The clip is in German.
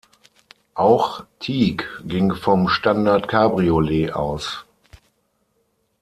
Auch Teague ging vom Standard-Cabriolet aus.